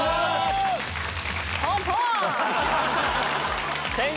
ポンポン！